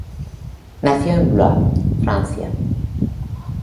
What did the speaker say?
Nació en Blois, Francia.